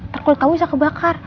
terkulit kamu bisa kebakar